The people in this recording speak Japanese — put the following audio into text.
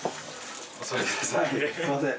すいません。